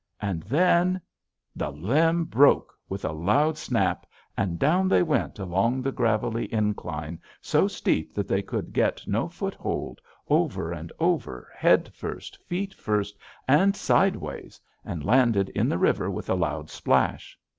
And then the limb broke with a loud snap and down they went along the gravelly incline, so steep that they could get no foothold, over and over, head first, feet first, and sideways, and landed in the river with a loud splash.